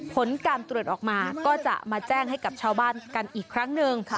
ผลการตรวจออกมาก็จะมาแจ้งให้กับชาวบ้านกันอีกครั้งหนึ่ง